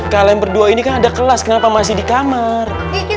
kalian berdua ini kan ada kelas kenapa masih di kamar